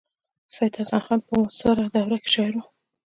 سید حسن خان په معاصره دوره کې شاعر و.